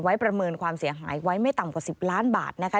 ประเมินความเสียหายไว้ไม่ต่ำกว่า๑๐ล้านบาทนะคะ